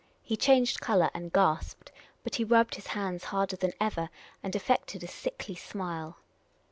He changed colour and gasped. But he rubbed his hands harder than ever and affected a sickly smile.